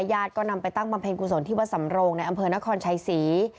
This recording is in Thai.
ญาติก็นำไปตั้งบำเพ็ญกุศลที่วัดสำโรงในอำเภอนครชัยศรี